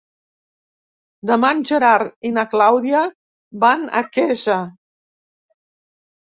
Demà en Gerard i na Clàudia van a Quesa.